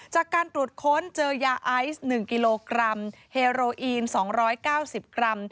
จากการตรวจค้นเจอยาไอซ์๑กิโลกรัมเฮโรอีน๒๙๐กรัม